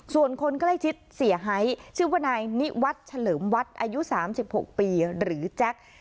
ส่วนคนใกล้ชิดเสียหายชื่อว่านายนิวัฒน์เฉลิมวัดอายุ๓๖ปีหรือแจ็ค